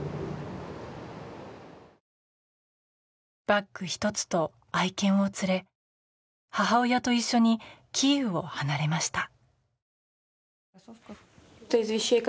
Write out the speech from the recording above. バッグ１つと愛犬を連れ母親と一緒にキーウを離れました。